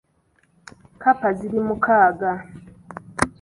Kkapa ziri mukaaga .